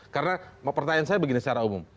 karena pertanyaan saya begini secara umum